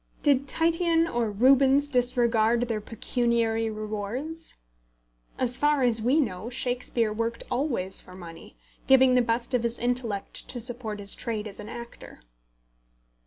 Did Titian or Rubens disregard their pecuniary rewards? As far as we know, Shakespeare worked always for money, giving the best of his intellect to support his trade as an actor.